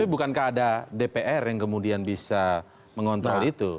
tapi bukankah ada dpr yang kemudian bisa mengontrol itu